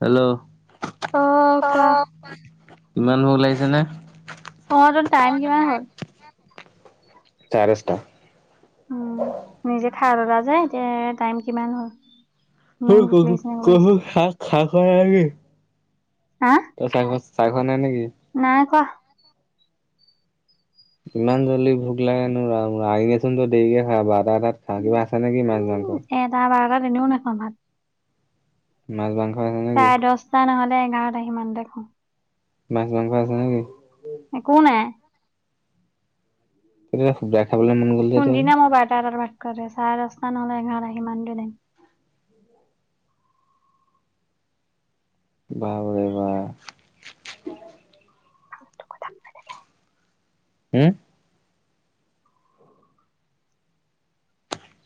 Hello. অ কোৱা অ', ইমান ভোক ওলাগিছে নে? অ ' টো টাইম কিমান হ'ল? চাৰে দছটা। উম নিজে খাই ল'লা যে এতিয়া টাইম কিমান হ'ল। হ ইমান ভোক কহু লাগিছে নে কৰিছে কহু শাক খাক। [unintelligible] হা তই চাগৈ। চাহ খোৱা নাই নেকি? নাই কোৱা। ইমান জল্দি ভোক লাগেনে ৰাম আগে চোন তো দেৰিকে খাৱ ভাত তাত খাওঁ কিবা আছে নেকি মাছ উম মাংস? এটা বাৰটাত এনেও নাখাওঁ ভাত। নাজানো। চাৰে দছটা নহ'লে। এঘাৰটা আহি সিমানতে খাওঁ। মাছ মাংস আছে নেকি? একো নাই। শুদা শুদা কোনদিনা মই বাৰটা এটাত ভাত চাৰে দস্তা নহলে এঘাৰটা সিমানটো টাইম বা ৰে বা ফাল্টু কথা কৈ থাকে। হো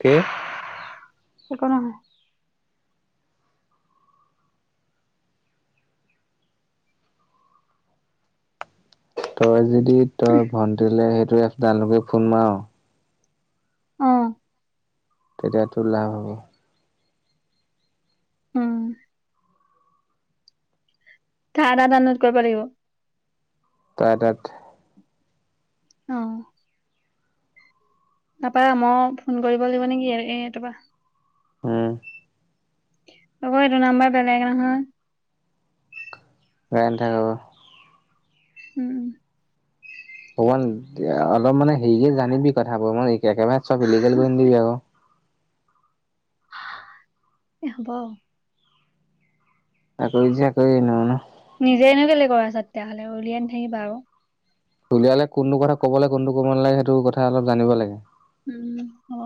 কি একো নহয়। তই আজি। কি তই ভণ্টিলে, তই তালে ফোন মাৰ। অ তেতিয়াতো লাভ হব। উম, তাৰ এটা ডাউনলোড কৰিব লাগিব। তাই তাত। অ, তাপা মই ফোন কৰিব লাগিব নেকি এ তাপা, উম। হব এইটো নাম্বৰ বেলেগ নহয়। [unintelligible] উম, ভগৱান অলপ মানে হেৰিকে জানিবি কথাবো। একেবাৰে চব ইলিগেল কৰি নিদিবি আক, এ হব। আকৈ যে আকৈ নহয় ন, নিজে নো কেলে আচা কৈ আছা তেতিয়াহ'লে উলিয়াই নিথাকিবা আক, উলিয়ালে কোনটো কথা ক'ব লাগ কোনটো ক নালাগে সেইটো কথা অলপ জানিব লাগে। উম অ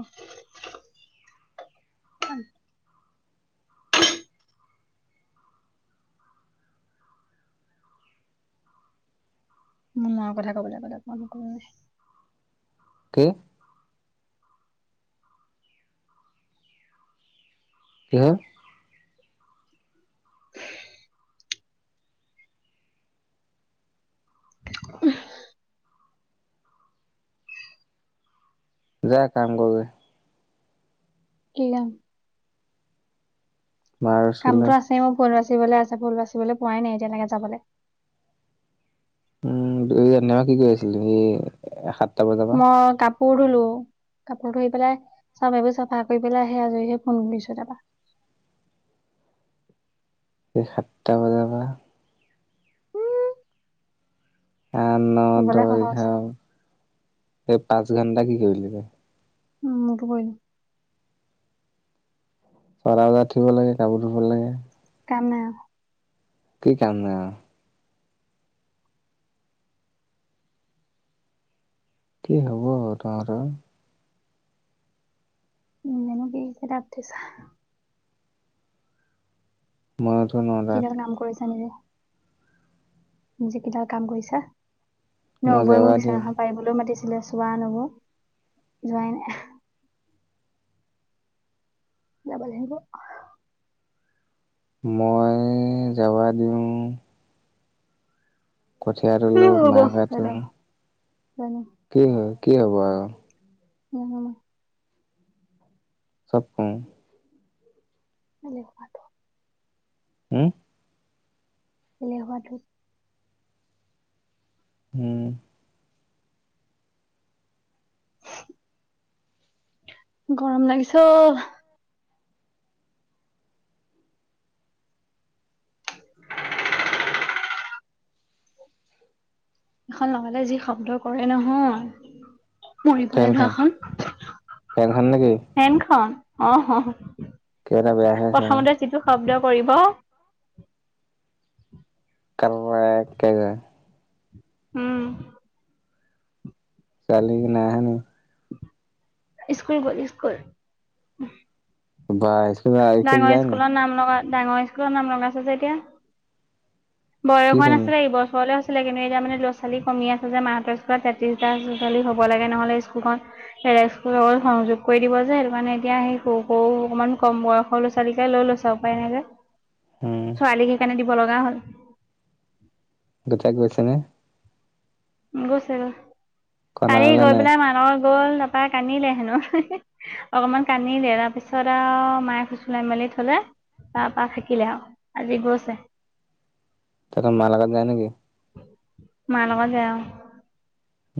মোৰ মাৰ‌ কথা কবলৈ গলে, ফোন কৈ কি কি হল ওহ যা কাম কৰ গে কি কাম মাৰ কামটো স্কুলত আছে, মই পৰুৱা বাচিবলৈ আছে, ফুল বাচিবলৈ পোৱাই নাই এতিয়া লৈকে যাবলে উম দুই জানি কি কয় আছিলি, এই সাত মই কাপ কোৰিলো, কাপোৰ ধুই পেলাই চব এইবোৰ চাফা কৰি পেলাই আহিহে আজৰি হৈ ফোন কৰিছো তৰপা এই সাতটা বজাৰ পৰা উম আহ নহ, শুবলৈ দহ সহজ এঘাৰ এই পাঁচ ঘণ্টা কি কৰিল টো উম মতো কৰিলোঁ ছটা বজা উঠিব লাগে কাপোৰ ধুব লাগে কাম নাই আৱ কি কাম নাই আৱ কি হ'ব আৰু তহতৰ উম হেনেকেই কেইটাত উঠিছা মই উঠো ন তাত কিডাল কাম কৰিছা নিজে নিজে কি কাম ডাল কৰিছা মই নবৈ জেওৰা মোক দিওঁ বিচনাখা পাৰিবলৈও মাতিছে ছিলে চবা নব জোৱাই হে যাব লাগিব মই যাবা দিও কঠীয়া তুলো মাহ কাটো যানা কি হয় কি হ'ব আৱ উম চব কৌ এলে হোৱা টো হম এলে হোৱাটো হম। গৰম লগিছে অ ' [inaudible] এখন লগালে যি শব্দ কৰে নহয়। মৰিবলৈ ফেনখন লোৱাখন ফেনখন নেকি ফেন খন। অ 'হ হ কিবা এটা বেয়া হৈ আছে আওঁ। শব্দ কৰিব। কাম নাই একেবাৰে উম। ছোৱালী যি নাই অহা নি? স্কুল গ'ল স্কুল। বাই। ডাঙৰ স্কুলৰ নাম লগা। ডাঙৰ স্কুলৰ নাম লগাইছে যে এতিয়া বয়স কি হোৱা শ্ৰেণী নাছিলে এই বছৰলৈ আছিল। এতিয়া মানে ল'ৰা ছোৱালী কিম আছে যে মাহঁতোত স্কুলত তেত্ৰিশটা লৰা ছোৱালী হব লাগে নহ'লে স্কুলখন ব এৰেষ্ট স্কুলত সংযোগ কৰি দিব যে সেইটো কাৰণে এতিয়া সেই সৰু -সৰু অকমান কম বয়সৰ ল'ৰা ছোৱালীকে লৈ লৈ চে উপাই নাই যে। উম ছোৱালী সেইকাৰণে। ল'ব লগা হ'ল। [inaudible] গোটাই গৈছে নে। গৈছে। কন্দা কালি মেলা গৈ নাই পেলাই মানুহৰ গ'ল নাপা তাই কানিলে হেনো অকমান কানিলে তাৰপিছত আৰু মায়ে ফুচলাই মেলি থলে তাপা থাকিলে আৰু আজি গৈছে। তহতৰ মা লগত যায় নে কি? মা লগত যায় অ।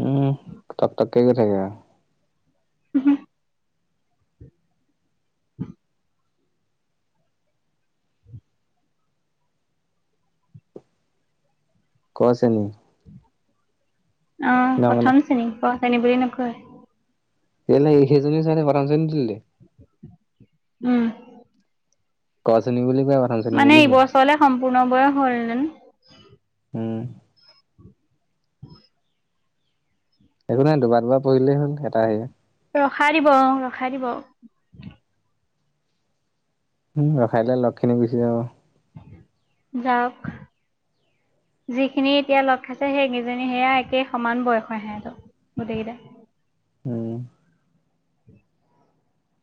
উম, তক তক গৈ থাকে আৰু। হো [inaudible] ক শ্ৰেণী। অ, ন ন প্ৰথম শ্ৰেণীৰ প ক শ্ৰেণী বুলি নকয়। এ, সেইজনী চাগে প্ৰথম শ্ৰেণীত দি দিলে উম। ক শ্ৰেণী বুলি কয় প্ৰথম শ্ৰেণী মানে বুলি কয় এইবছৰলে সম্পূৰ্ণ বয়স। হ'লেহেতেন। উম। উ, একো নাই দুবাৰ দুবাৰ পঢ়িলেই হ'ল, এটা হে ৰখাই দিব, অ ৰখাই দিব। উম ৰখালে লগখিনি গুচি যাব। যাওক, যিখিনি এতিয়া লগ খাইছে সেইকেইজনী সেয়া একেই সমান বয়স সিহঁতৰ গোটেইকেইটা। উম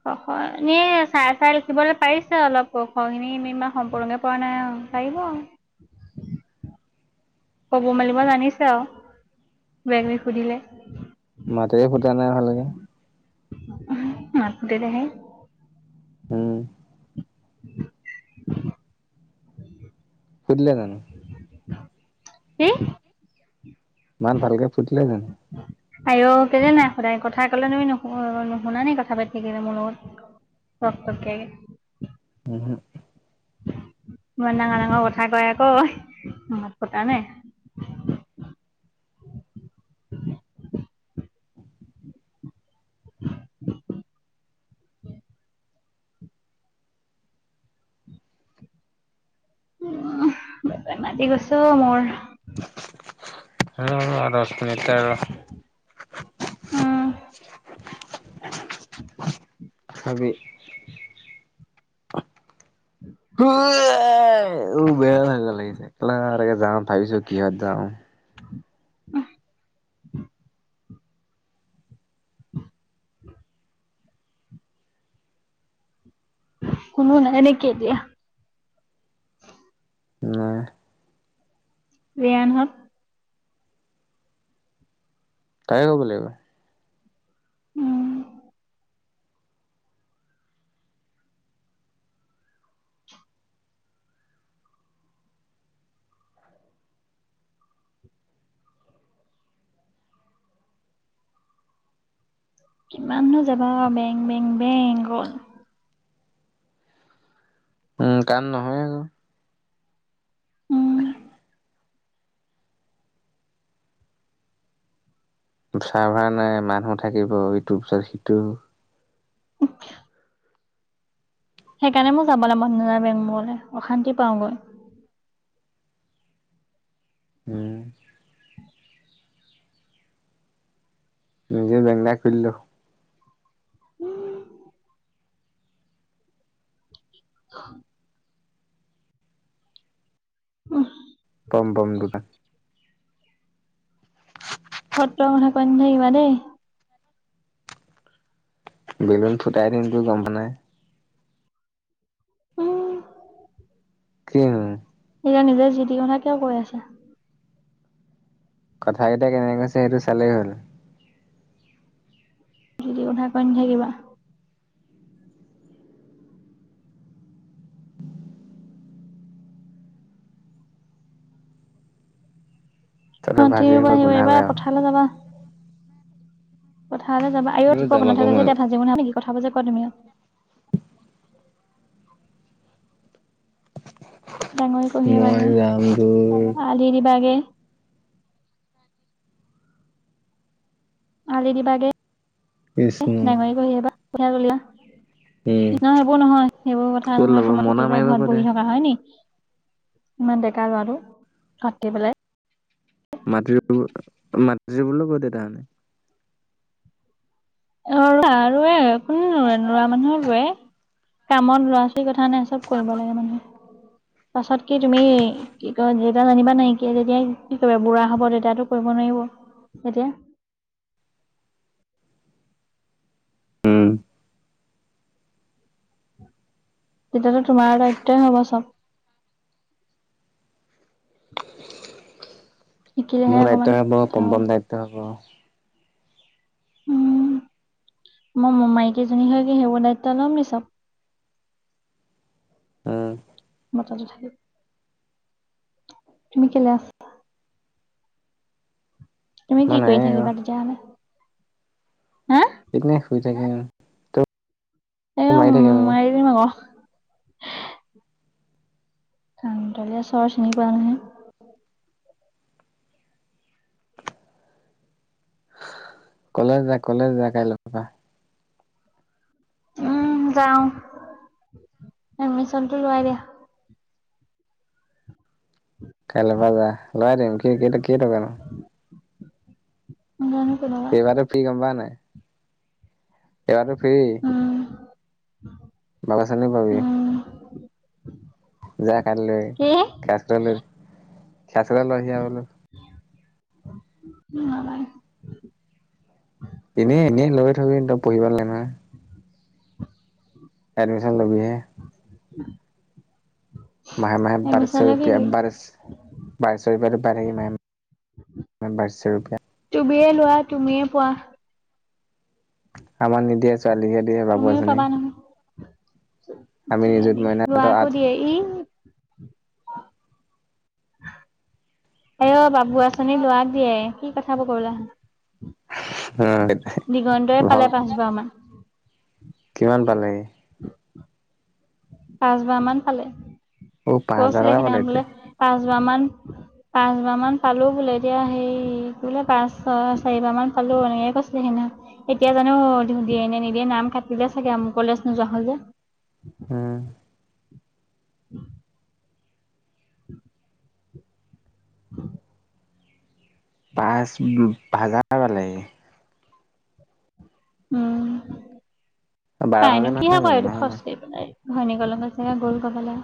অ খ এনে চাই চাই লিখিবলৈ পাৰিছে অলপ ক খ খিনি ইমান সম্পূৰ্কে পৰা নাই পাৰিব। কব মেলিব জানিছে আৰু কিবা- কিবি সুধিলে। মাতে। জানাই ভাল লাগে। [unintelligible] উম। [inaudible] ফুটিলে জানো? হে ইমান ভালকে ফুটিলে জানো? আই অ। কেলে নাই সদায় কথা কলে তুমি নুশুনা নে? কথা পাতি থাকিলে মোৰ লগত। কে উম। ইমান ডাঙৰ ডাঙৰ কথা কয় আকৌ মাত ফুটা নাই। [inaudible] উ বেমাৰটি গৈছো অ', মোৰ উ, আৰু উম আৰু [unintelligible] হাবি। [unintelligible] উ, বিৰাট মজা লাগিছে। যাওঁ। ভাবিছো কিহত যাওঁ। [unintelligible] [inaudible] কোনো নাই নেকি এতিয়া। নাই। ৰিয়ানহত। তাই ক'ব লাগিব। উম। কিমাননো যাবা আৰু বেং বেং বেং অকল। উম, কাম নহয় আকৌ। উম [unintelligible] চাৰ্ভাৰ নাই মানুহ থাকিব ইটোৰ পিছত সিটো। সেইকাৰণে মোৰ যাবলে মন নাযায় বেংকবোৰলে। অশান্তি পাওঁ গৈ। উম। নিজে বেংক এটা খুলি ল। উম। হ। অহ। পম বম দুটা। ফটোৱা কথা কয় নাথাকিবা দেই। বেলুন ফুটাই দিম তো গম পোৱা নাই। উম। কি নো সেয়া নিজে যি তি কথা কিয় কৈ আছা? কথাকেইটা কেনেকে কৈছা সেইটো চালেই হ'ল। যি টি কথা কৈ নেথাকিবা। তহঁতৰ ভাজি মাতিব সোপা আহিব, এইবাৰ গোন্ধালে আৰু। পথাৰলে যাবা। থাৰলে যাব আই ঐ তুমিও ঠিকক যাম আকৌ নাথাকে মই যেতিয়া ভাজি বনাও নেকি? কথা বুজা কয় তুমিয়ো ডাঙৰি কুঁহিয়া বাঙে, মই যাম তোৰ আলিৰ দিবাগে। আলি দিবাগে। কৃষ্ণ নাঙৰি বাহি এবা পথাৰ [unintelligible] ন উম। সেইবোৰ নহয়, সেইবোৰ ক'ত কথা নহয় ল'ব তোমাৰ মৰণা পুতিবাই মাৰিব কৈ ঘৰত দে বহি থকা হয় নি ইমান ডেকা ল'ৰাটো কাটি পেলাই মাতৃ বোলো মাতৃ বুলো ক'ত দেউতাহঁতে অ ৰবা আৰু এ [unintelligible] কোনেনো ৰোৱে লৰা মানুহে ৰোৱে কামত ল'ৰা ছোৱালীৰ কথা নাই চব কৰিব লাগে মানুহে। পাছত কি তুমি কি কয় যে এতিয়া জানিবা নাইকিয়া যেতিয়া কি কৰিবা বুঢ়া হব তেতিয়াটো কৰিব নোৱাৰিব তেতিয়া উম। তেতিয়াতো তোমাৰ দায়িত্বই হব চব শিকিলেহে মোৰ অকমান দায়িত্ব হ'ব কথা কম্ হয় দায়িত্ব হ'ব। উম, মই মাইকেইজনী হয় কি সেইবোৰ দায়িত্ব ল'ম নি চব। উম। মতাটো থাকে। তুমি কেলে আছ? তুমি মই কি কৰি নাইয়ে আৰু থাকিবা তেতিয়াহলে। হা। সেইনে শুই থাকা ত সোমাই থাকিম আকৌ। কানকলীয়া চৰ চিনি পোৱা নহয়। কলেজ যা কলেজ যা কাইলৈ পৰা উম যাওঁ এডমিশনতটো লোৱাই দিয়া। কাইলৈ পৰা যায় লোৱাই দিম কি কেই কি কেইটানো? জানো কেনেকুৱা এইবাৰ তেওঁ ফ্ৰী গম পোৱা নাই? এইবাৰতো ফ্ৰী। উম বাগা চানি পাবি। উম যোৱা কালিলৈ কি? ক্লাচ লৈ। [unintelligible] নালাগে। এনেই, -এনেই লৈ থবি পঢ়িব নেলাগে নহয়। এডমিশন ল'বিহে। [unintelligible] [unintelligible] মাহে-মাহে বাৰশ এডমিচনলৈ কি ৰূপিয়া, কৰিম? বাৰশ ৰূপিয়া, বাৰশ ৰূপিয়া। তুমিয়ে লোৱা, তুমিয়ে পোৱা। আমাক নিদিয়ে। ছোৱালীক'হে দিয়ে, বাবু তুমিও আঁচনি পাবা আমি নিজুত মইনা [unintelligible] হঁতৰ আঠ লৰাকো দিয়ে। ই' অহ বাবু আঁচনি। খিনিক লৰাক দিয়ে। কি' কথাবোৰ কবলে আহা? অঁ ভাল। পালে পাঁচবাৰ মান কিমান পালে? [unintelligible] পাঁচ বাৰ মান পালে। অহ, পাঁচ হাজাৰ কৈছিলে টকা পালে, সেইদিনাখন বোলে এতিয়া পাঁচবাৰ মান পালো বোলে, এতিয়া সেই বোলে পাঁচশ, চাৰিবাৰ মান পালো, এনেকে কৈছিলে, সেইদিনা এতিয়া জানো দিয়ে নে নিদিয়ে নাম কাটিলে চাগে, মোৰ কলেজ নোযোৱা হ'ল যে হম উম অঁ [inaudible] পাঁচবুলো তাজা তাজা লাগে। উম। পাইনো বাৰশকে কি নহয় হ'ব জানো এইটো নহয় ন খৰচ কৰি পেলাই। ভিনিয়েকৰ লগত চাগে গৌৰ কবালে